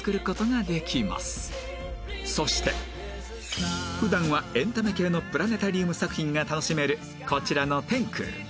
そして普段はエンタメ系のプラネタリウム作品が楽しめるこちらの天空